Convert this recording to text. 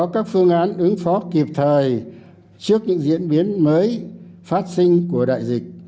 các phương án ứng phó kịp thời trước những diễn biến mới phát sinh của đại dịch